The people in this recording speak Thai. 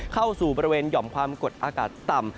เข้าสู่บริเวณหย่อมความกดอากาศต่ำ